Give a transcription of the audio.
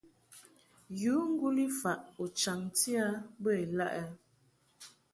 Yu ŋguli faʼ u chaŋti a bə ilaʼ ɛ ?